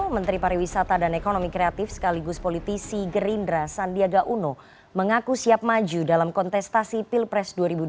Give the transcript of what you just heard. menteri pariwisata dan ekonomi kreatif sekaligus politisi gerindra sandiaga uno mengaku siap maju dalam kontestasi pilpres dua ribu dua puluh